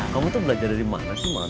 kamu tuh belajar dari mana sih mantap